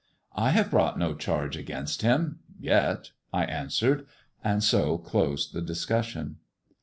" I have brought no charge against him — yet," I answered, and so closed the discussion.